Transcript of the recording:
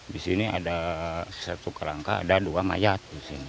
di sini ada satu kerangka ada dua mayat